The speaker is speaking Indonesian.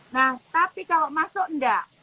nah tapi kalau masuk enggak